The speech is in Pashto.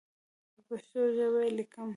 په پښتو ژبه یې لیکم.